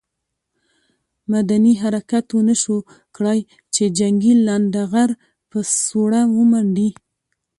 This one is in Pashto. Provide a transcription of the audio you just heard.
مدني حرکت ونه شو کړای چې جنګي لنډه غر په سوړه ومنډي.